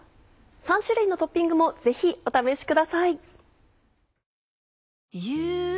３種類のトッピングもぜひお試しください。